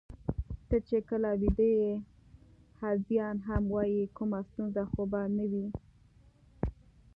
ته چې کله ویده یې، هذیان هم وایې، کومه ستونزه خو به نه وي؟